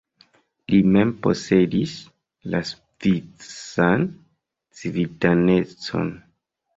Li mem posedis la svisan civitanecon.